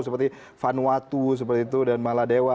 seperti vanuatu seperti itu dan maladewa